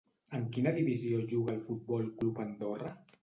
En quina divisió juga el Futbol Club Andorra?